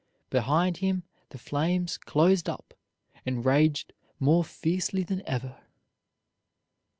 Behind him the flames closed up, and raged more fiercely than ever."